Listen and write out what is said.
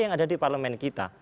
yang ada di parlemen kita